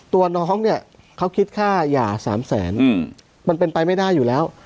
ตัวน้องเนี่ยเขาคิดค่าหย่า๓แสนมันเป็นไปไม่ได้อยู่แล้ว